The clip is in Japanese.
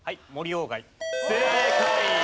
正解！